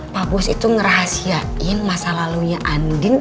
pak bos itu ngerahasiain masa lalunya andin